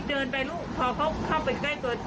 เดินไปลูกพอเข้าไปใกล้เกิด